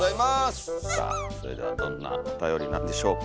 さあそれではどんなおたよりなんでしょうか。